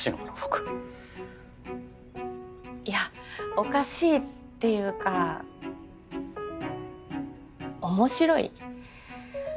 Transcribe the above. いやおかしいっていうか面白い。